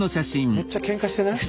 めっちゃけんかしてない？